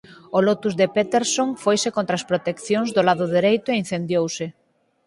O Lotus de Peterson foise contra as proteccións do lado dereito e incendiouse.